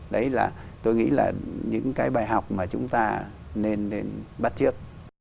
đấy là tôi nghĩ là những cái bài học mà chúng ta nên bắt thiết